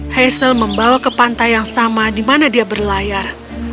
hazel membawa ke pantai yang sama di mana dia berlayar